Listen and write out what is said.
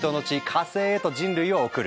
火星へと人類を送る。